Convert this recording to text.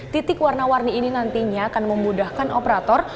titik warna warni ini nantinya akan memudahkan operator